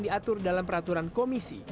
diatur dalam peraturan komisi